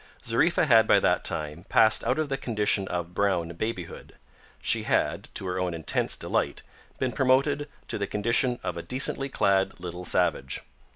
Zariffa had, by that time, passed out of the condition of brown babyhood. She had, to her own intense delight, been promoted to the condition of a decently clad little savage.